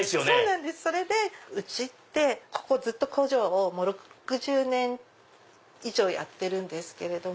うちってここずっと工場を６０年以上やってるんですけど。